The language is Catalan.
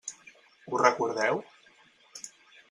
Ho recordeu?